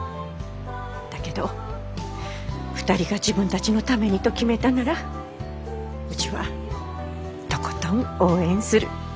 だけど２人が自分たちのためにと決めたならうちはとことん応援する。